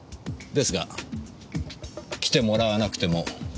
ですが来てもらわなくても。